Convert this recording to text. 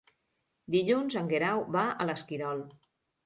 Dilluns en Guerau va a l'Esquirol.